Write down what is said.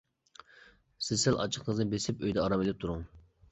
سىز سەل ئاچچىقىڭىزنى بېسىپ ئۆيدە ئارام ئېلىپ تۇرۇڭ.